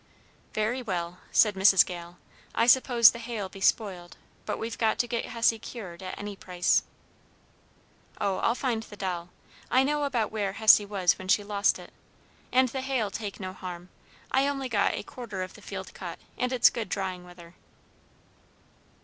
"Very well," said Mrs. Gale. "I suppose the hay'll be spoiled, but we've got to get Hessie cured at any price." "Oh, I'll find the doll. I know about where Hessie was when she lost it. And the hay'll take no harm. I only got a quarter of the field cut, and it's good drying weather."